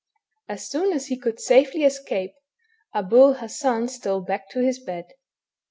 As soon as he could safely escape, Abul Hassan stole back to his bed.